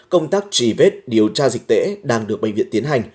công tác chỉ vết điều tra dịch tễ đang được bệnh viện tiến hành